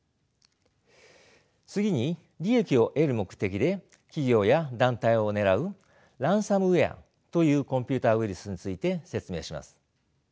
次に利益を得る目的で企業や団体を狙うランサムウェアというコンピューターウイルスについて説明します。